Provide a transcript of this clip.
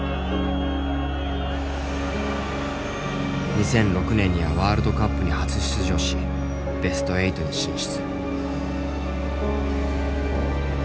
２００６年にはワールドカップに初出場しベスト８に進出。